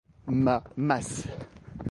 Ma masse.